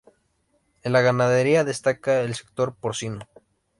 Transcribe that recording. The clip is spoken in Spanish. En la ganadería destaca el sector porcino.